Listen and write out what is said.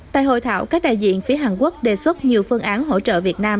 tại hội thảo các đại diện phía hàn quốc đề xuất nhiều phương án hỗ trợ việt nam